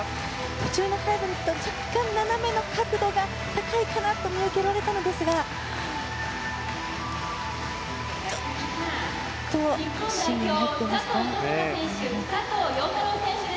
途中のハイブリッド若干斜めの角度が高いかなと見受けられたんですがちょっと審議に入っていますか。